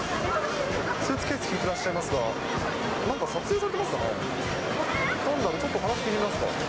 スーツケース引いてらっしゃいますが、なんか撮影されてますかね。